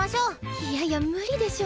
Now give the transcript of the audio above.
いやいや無理でしょ。